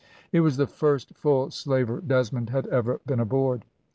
It was the first full slaver Desmond had ever been aboard.